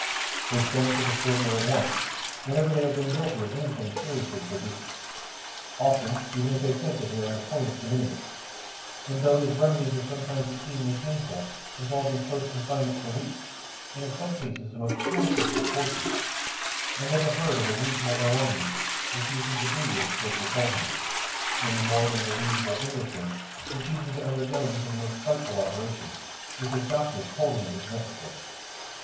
They send for the straightener at once whenever they have been guilty of anything seriously flagitious—often even if they think that they are on the point of committing it; and though his remedies are sometimes exceedingly painful, involving close confinement for weeks, and in some cases the most cruel physical tortures, I never heard of a reasonable Erewhonian refusing to do what his straightener told him, any more than of a reasonable Englishman refusing to undergo even the most frightful operation, if his doctors told him it was necessary.